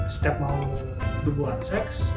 setiap mau hubungan seks